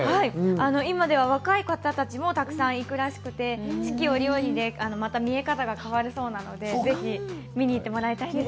今では若い方たちもたくさん行くらしくて、四季折々でまた見え方が変わるそうなので、ぜひ見に行ってもらいたいです。